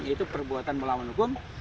yaitu perbuatan melawan hukum